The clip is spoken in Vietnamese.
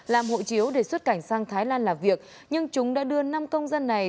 làm hộ chiếu để xuất cảnh sang thái lan làm việc nhưng chúng đã đưa năm công dân này